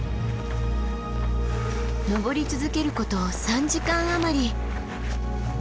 登り続けること３時間余り。